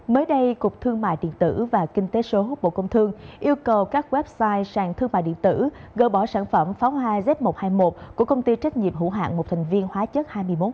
mới đây cục thương mại điện tử và kinh tế số bộ công thương yêu cầu các website sàn thương mại điện tử gỡ bỏ sản phẩm pháo hoa z một trăm hai mươi một của công ty trách nhiệm hữu hạng một thành viên hóa chất hai mươi một